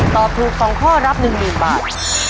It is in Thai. ตอบถูก๒ข้อรับ๑๐๐๐บาท